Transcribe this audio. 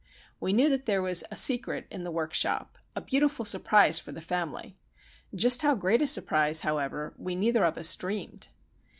We knew that there was "a secret" in the workshop, "a beautiful surprise for the family." Just how great a surprise, however, we neither of us dreamed.